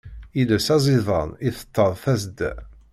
Iles aẓidan iteṭṭeḍ tasedda.